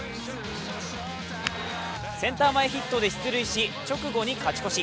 センター前ヒットで出塁し、直後に勝ち越し。